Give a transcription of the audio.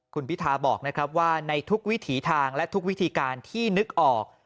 คุณพิทาบอกนะครับว่าในทุกวิถีทางและทุกวิธีการที่นึกออก